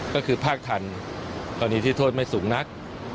ก็คือภาคทันกรณีที่โทษไม่สูงนัก